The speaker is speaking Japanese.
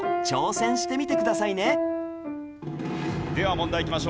問題いきましょう。